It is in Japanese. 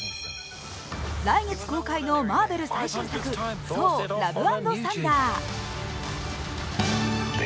来月公開のマーベル最新作「ソー：ラブ＆サンダー」。